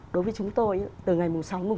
đối với chúng tôi từ ngày sáu chín